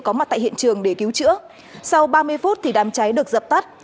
có mặt tại hiện trường để cứu chữa sau ba mươi phút thì đám cháy được dập tắt